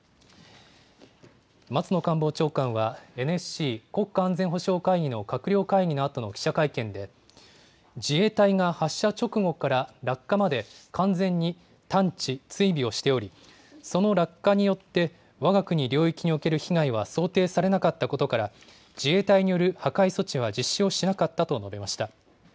松野官房長官は、ＮＳＣ・国家安全保障会議の閣僚会議のあとの記者会見で、自衛隊が発射直後から落下まで、完全に探知、追尾をしており、その落下によってわが国領域における被害は想定されなかったことから、自衛隊による破壊措置は実施をしなかったと述べました。